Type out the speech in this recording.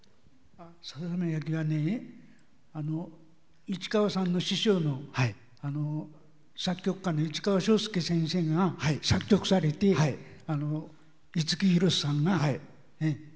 「細雪」はね市川さんの師匠の作曲家の市川昭介先生が作曲されて五木ひろしさんが。